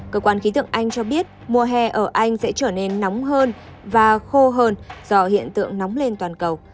cơ quan khí tượng anh cho biết mùa hè ở anh sẽ trở nên nóng hơn và khô hơn do hiện tượng nóng lên toàn cầu